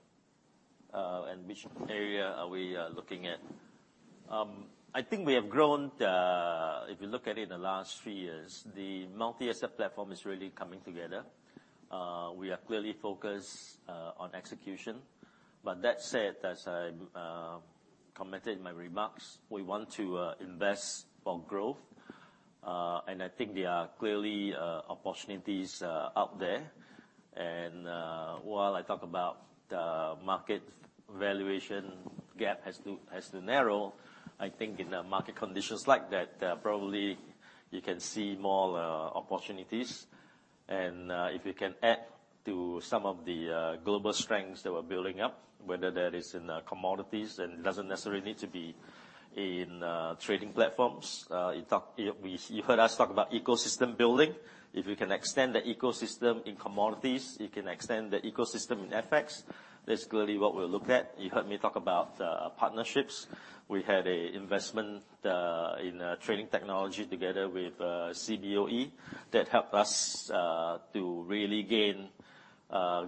[SPEAKER 3] and which area are we looking at. If you look at it in the last three years, the multi-asset platform is really coming together. We are clearly focused on execution. That said, as I commented in my remarks, we want to invest for growth. I think there are clearly opportunities out there. While I talk about the market valuation gap has to narrow, I think in the market conditions like that, probably you can see more opportunities. If you can add to some of the global strengths that we're building up, whether that is in commodities, and it doesn't necessarily need to be in trading platforms. You heard us talk about ecosystem building. If we can extend the ecosystem in commodities, you can extend the ecosystem in FX. That's clearly what we'll look at. You heard me talk about partnerships. We had a investment in a trading technology together with Cboe, that helped us to really gain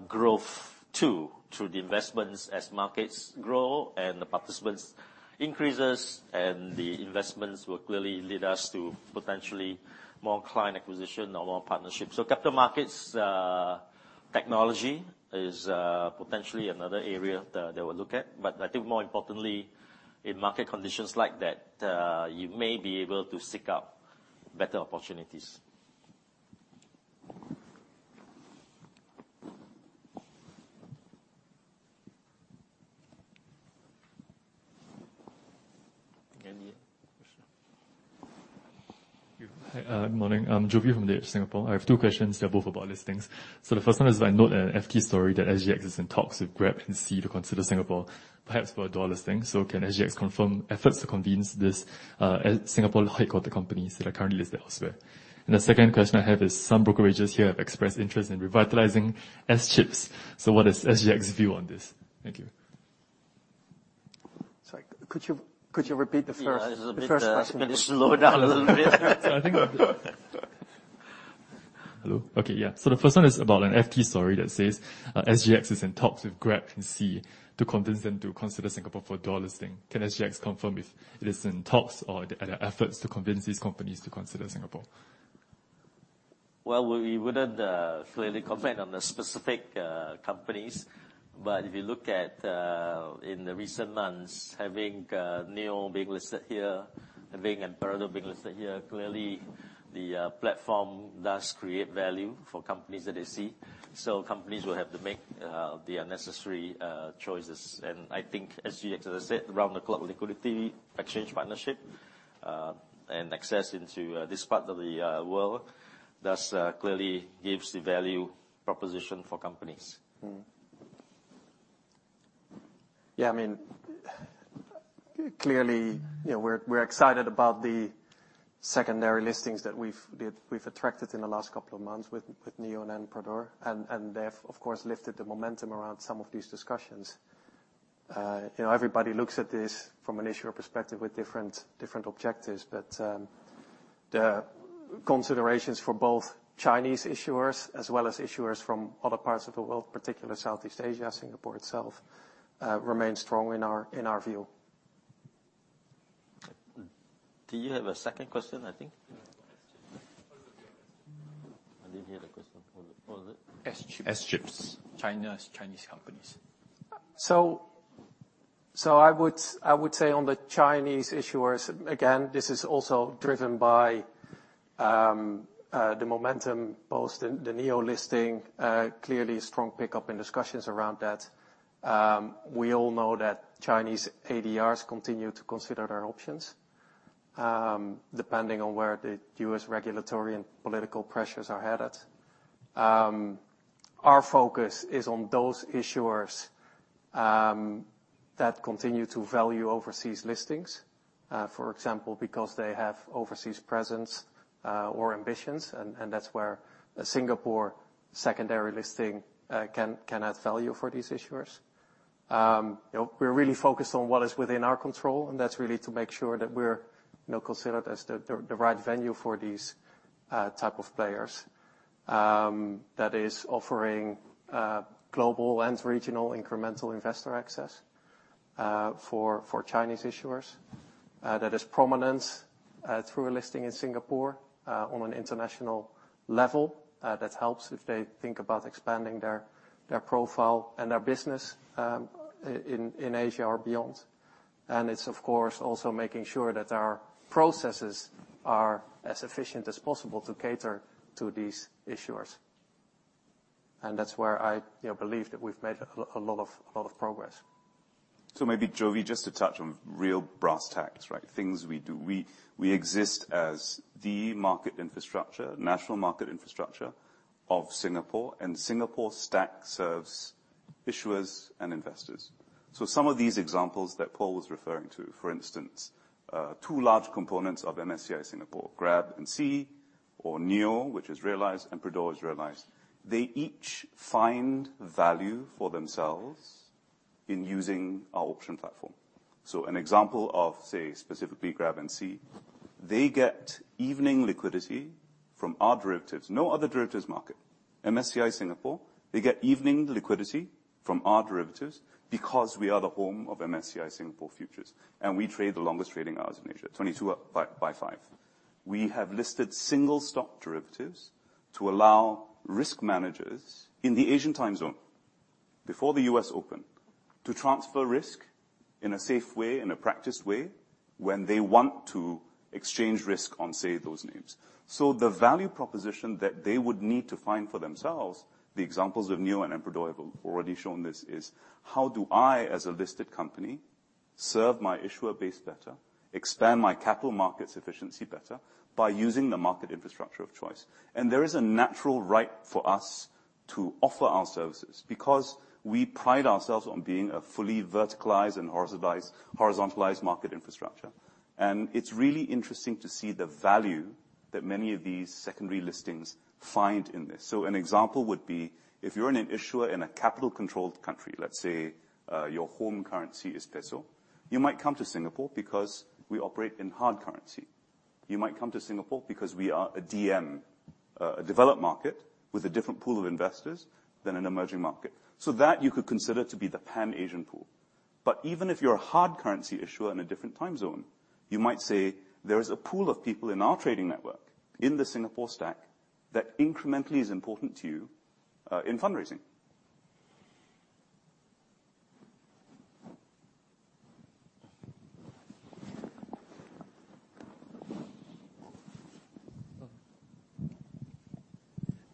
[SPEAKER 3] growth too, through the investments as markets grow and the participants increases, and the investments will clearly lead us to potentially more client acquisition or more partnerships. Capital markets technology is potentially another area that we'll look at. I think more importantly, in market conditions like that, you may be able to seek out better opportunities. Any other question?
[SPEAKER 9] Thank you. Hi, morning. I'm Jovi from The Edge Singapore. I have two questions. They're both about listings. The first one is I note an FT story that SGX is in talks with Grab and Sea to consider Singapore, perhaps for a dual listing. Can SGX confirm efforts to convince this, Singapore-headquartered companies that are currently listed elsewhere? The second question I have is some brokerages here have expressed interest in revitalizing S-chips. What is SGX's view on this? Thank you.
[SPEAKER 3] Sorry. Could you repeat the first-
[SPEAKER 2] Yeah. It's a bit.
[SPEAKER 3] the first question?
[SPEAKER 2] Can you slow down a little bit?
[SPEAKER 9] The first one is about an FT story that says SGX is in talks with Grab and Sea to convince them to consider Singapore for dual listing. Can SGX confirm if it is in talks or the efforts to convince these companies to consider Singapore?
[SPEAKER 2] Well, we wouldn't clearly comment on the specific companies. If you look at in the recent months, having NIO being listed here, having Ant Group being listed here, clearly the platform does create value for companies that they see. Companies will have to make the necessary choices. I think SGX, as I said, round-the-clock liquidity, exchange partnership, and access into this part of the world does clearly gives the value proposition for companies.
[SPEAKER 3] Mm-hmm.
[SPEAKER 10] Yeah, I mean, clearly, you know, we're excited about the secondary listings that we've attracted in the last couple of months with NIO and Ant Group. They've, of course, lifted the momentum around some of these discussions. You know, everybody looks at this from an issuer perspective with different objectives. The considerations for both Chinese issuers as well as issuers from other parts of the world, particularly Southeast Asia, Singapore itself, remains strong in our view.
[SPEAKER 3] Do you have a second question, I think?
[SPEAKER 9] Yeah. S-chips.
[SPEAKER 3] I didn't hear the question. What was it?
[SPEAKER 9] S-chips.
[SPEAKER 2] S-chips.
[SPEAKER 9] Chinese companies.
[SPEAKER 10] I would say on the Chinese issuers, again, this is also driven by the momentum post the NIO listing, clearly a strong pickup in discussions around that. We all know that Chinese ADRs continue to consider their options, depending on where the U.S. regulatory and political pressures are headed. Our focus is on those issuers that continue to value overseas listings, for example, because they have overseas presence or ambitions, and that's where a Singapore secondary listing can add value for these issuers. You know, we're really focused on what is within our control, and that's really to make sure that we're, you know, considered as the right venue for these type of players that is offering global and regional incremental investor access for Chinese issuers. That is prominence through a listing in Singapore on an international level that helps if they think about expanding their profile and their business in Asia or beyond.
[SPEAKER 2] It's, of course, also making sure that our processes are as efficient as possible to cater to these issuers. That's where I, you know, believe that we've made a lot of progress.
[SPEAKER 6] Maybe, Jovi, just to touch on real brass tacks, right? Things we do. We exist as the market infrastructure, national market infrastructure of Singapore, and Singapore stack serves issuers and investors. Some of these examples that Pol was referring to, for instance, two large components of MSCI Singapore, Grab and Sea, or NIO, which is listed, and Emperador is listed. They each find value for themselves in using our option platform. An example of, say, specifically Grab and Sea, they get evening liquidity from our derivatives. No other derivatives market. MSCI Singapore, they get evening liquidity from our derivatives because we are the home of MSCI Singapore futures, and we trade the longest trading hours in Asia, 22 by five. We have listed single stock derivatives to allow risk managers in the Asian time zone, before the U.S. open, to transfer risk in a safe way, in a practiced way, when they want to exchange risk on, say, those names. The value proposition that they would need to find for themselves, the examples of NIO and Emperador have already shown this, is how do I, as a listed company, serve my issuer base better, expand my capital markets efficiency better by using the market infrastructure of choice? There is a natural right for us to offer our services because we pride ourselves on being a fully verticalized and horizontalized market infrastructure. It's really interesting to see the value that many of these secondary listings find in this. An example would be if you're in an issuer in a capital-controlled country, let's say, your home currency is peso, you might come to Singapore because we operate in hard currency. You might come to Singapore because we are a DM, a developed market with a different pool of investors than an emerging market. That you could consider to be the Pan-Asian pool. But even if you're a hard currency issuer in a different time zone, you might say there is a pool of people in our trading network, in the Singapore stack, that incrementally is important to you, in fundraising.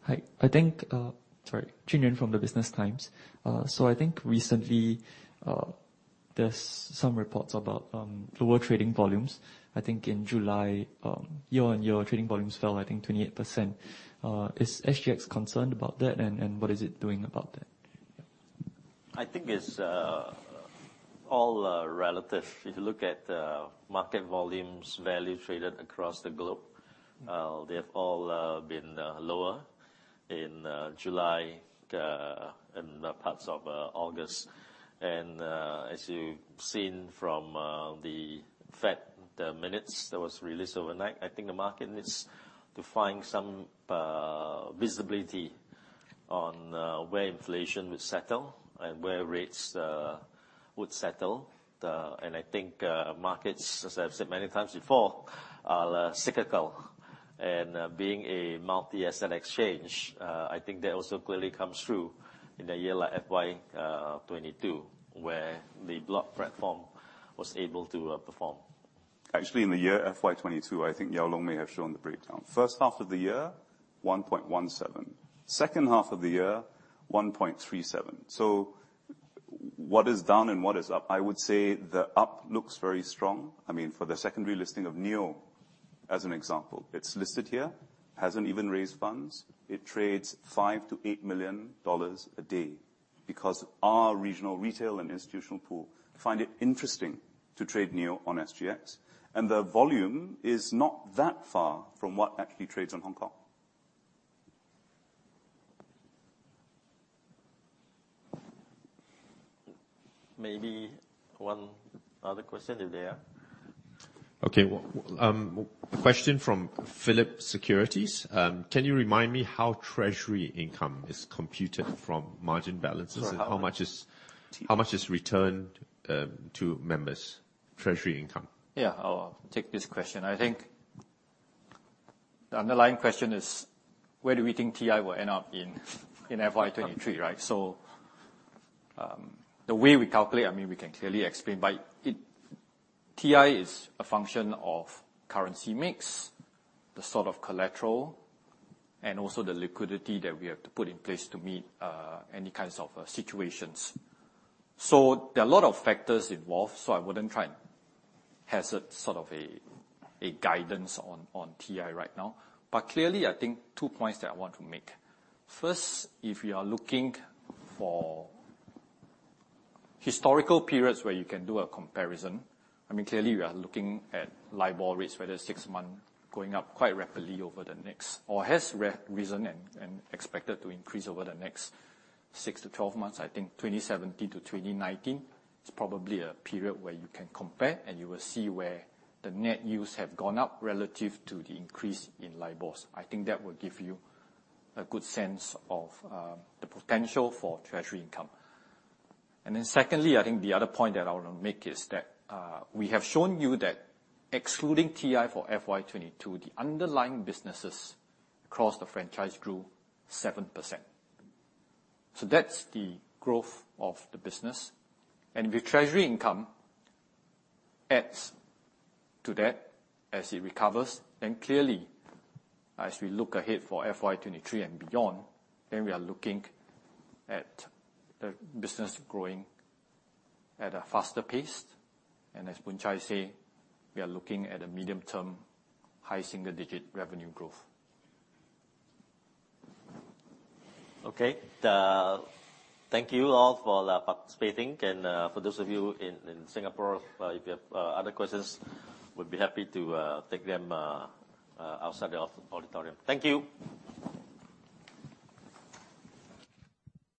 [SPEAKER 11] Hi. Sorry. Chin Yean from The Business Times. I think recently, there's some reports about lower trading volumes. I think in July, year-on-year trading volumes fell 28%. Is SGX concerned about that, and what is it doing about that?
[SPEAKER 2] I think it's all relative. If you look at market volumes, value traded across the globe, they have all been lower in July and parts of August. As you've seen from the Fed, the minutes that was released overnight, I think the market needs to find some visibility on where inflation would settle and where rates would settle. Markets, as I've said many times before, are cyclical. Being a multi-asset exchange, I think that also clearly comes through in a year like FY 2022, where the block platform was able to perform.
[SPEAKER 6] Actually, in the year FY 2022, I think Ng Yao Loong may have shown the breakdown. First half of the year, 1.17. Second half of the year, 1.37. What is down and what is up? I would say the up looks very strong. I mean, for the secondary listing of NIO as an example. It's listed here, hasn't even raised funds. It trades $5 million-$8 million a day because our regional retail and institutional pool find it interesting to trade NIO on SGX. The volume is not that far from what actually trades on Hong Kong.
[SPEAKER 2] Maybe one other question is there?
[SPEAKER 12] Okay. Question from Phillip Securities. Can you remind me how treasury income is computed from margin balances?
[SPEAKER 2] Sure.
[SPEAKER 12] How much is returned to members? Treasury income.
[SPEAKER 2] Yeah. I'll take this question. I think the underlying question is where do we think TI will end up in FY 2023, right? The way we calculate, I mean, we can clearly explain. TI is a function of currency mix, the sort of collateral, and also the liquidity that we have to put in place to meet any kinds of situations. There are a lot of factors involved, so I wouldn't try and hazard sort of a guidance on TI right now. Clearly, I think two points that I want to make. First, if you are looking for historical periods where you can do a comparison, I mean, clearly we are looking at LIBOR rates, whether it's six months, going up quite rapidly over the next, or has risen and expected to increase over the next 6-12 months. I think 2017-2019 is probably a period where you can compare, and you will see where the net yields have gone up relative to the increase in LIBORs. I think that will give you a good sense of the potential for treasury income. Secondly, I think the other point that I wanna make is that we have shown you that excluding TI for FY 2022, the underlying businesses across the franchise grew 7%. That's the growth of the business. If treasury income adds to that as it recovers, then clearly as we look ahead for FY 2023 and beyond, then we are looking at the business growing at a faster pace. As Loh Boon Chye says, we are looking at a medium-term high single-digit revenue growth. Okay. Thank you all for participating. For those of you in Singapore, if you have other questions, we'd be happy to take them outside the auditorium. Thank you.